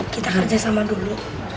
kita kerja sama dulu